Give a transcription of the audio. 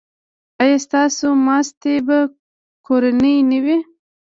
ایا ستاسو ماستې به کورنۍ نه وي؟